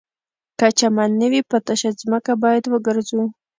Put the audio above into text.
که چمن نه وي په تشه ځمکه باید وګرځو